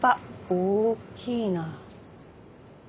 大きいな。